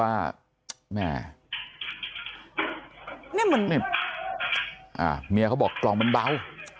อ่าเมียเขาบอกกล่องมันเบา